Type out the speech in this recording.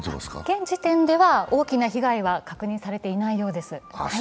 現時点では大きな被害は確認されていないようです。